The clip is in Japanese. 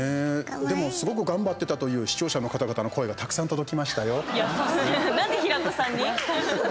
でも「すごく頑張ってた」という視聴者の方々の声がなんで平子さんに？